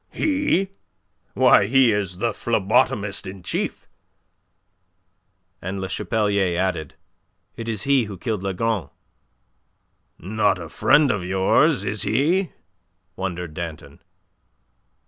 "He? Why, he is the phlebotomist in chief." And Le Chapelier added. "It is he who killed Lagron." "Not a friend of yours, is he?" wondered Danton.